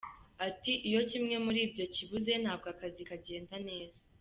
Ati “Iyo kimwe muri byo kibuze ntabwo akazi kagenda neza.